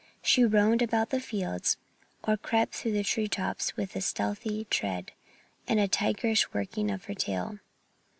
She roamed about the fields, or crept through the tree tops with a stealthy tread and a tigerish working of her tail.